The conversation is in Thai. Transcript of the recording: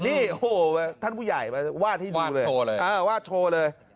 นี่โหท่านผู้ใหญ่วาดให้ดูเลยวาดโทรเลย